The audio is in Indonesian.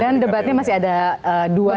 dan debatnya masih ada dua tiga empat lima kan